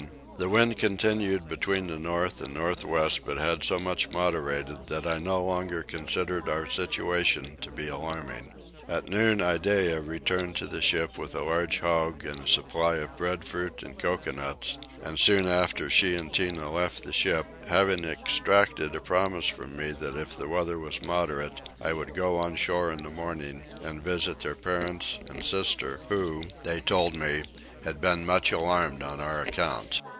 The wind continued between the north and north west but had so much moderated that I no longer considered our situation to be alarming. At noon Iddeah returned to the ship with a large hog and a supply of breadfruit and coconuts; and soon after she and Tinah left the ship, having exacted a promise from me that if the weather was moderate I would go on shore in the morning and visit their parents and sister who, they told me, had been much alarmed on our account.